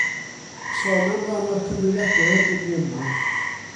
Sôn am ran o'r cyfrifiadur ydym ni yma.